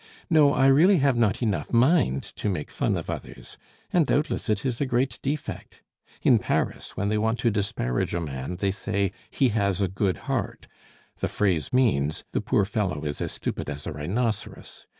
"No, I really have not enough mind to make fun of others; and doubtless it is a great defect. In Paris, when they want to disparage a man, they say: 'He has a good heart.' The phrase means: 'The poor fellow is as stupid as a rhinoceros.